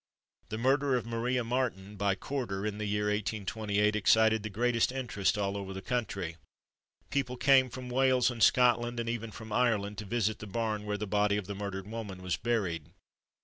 The murder of Maria Marten, by Corder, in the year 1828, excited the greatest interest all over the country. People came from Wales and Scotland, and even from Ireland, to visit the barn where the body of the murdered woman was buried.